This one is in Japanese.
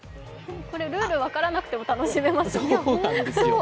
これ、ルールが分からなくても楽しめますね。